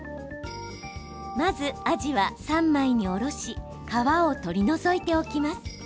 まず、あじは三枚におろし皮を取り除いておきます。